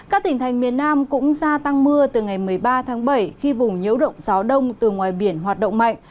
các tỉnh thành miền nam cũng gia tăng mưa từ ngày một mươi ba tháng bảy khi vùng nhiễu động gió đông từ ngoài biển hoạt động mạnh